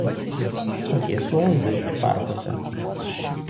Tokie suolai dažni parkuose.